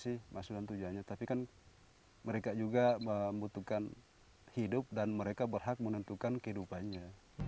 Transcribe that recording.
saya juga tidak tahu pak apa sih tujuannya tapi kan mereka juga membutuhkan hidup dan mereka berhak menentukan kehidupannya